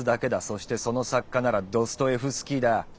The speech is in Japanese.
そしてその作家ならドストエフスキーだ。